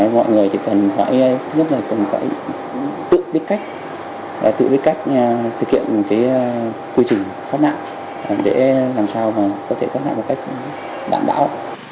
mọi người cần phải tự biết cách thực hiện quy trình thoát nạn để làm sao có thể thoát nạn một cách đảm bảo